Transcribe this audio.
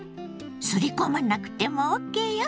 すりこまなくてもＯＫよ。